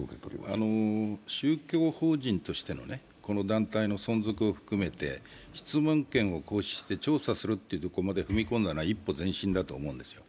宗教法人としての団体の存続を含めて質問権を行使して調査するというところまで踏み込んだのは一歩前進だと思うんですよ。